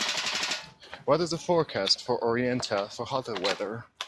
what is the forecast for Orienta for hotter weather